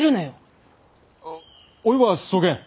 おいはそげん。